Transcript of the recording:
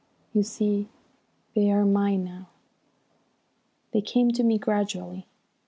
You see, they are mine now. "They came to me gradually.